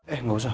eh nggak usah